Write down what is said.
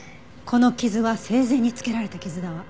この傷は生前につけられた傷だわ。